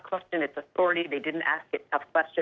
คนไม่ควรในยอมรับอธิบายไม่ถามถามสักที